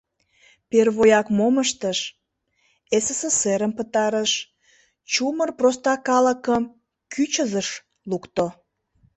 Первояк, мом ыштыш: СССР-ым пытарыш, чумыр проста калыкым кӱчызыш лукто.